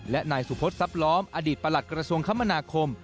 และนายสุพธิ์ซับล้อมอดีตประหลัดกระทรวงคมนาคม